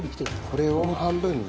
これを半分に？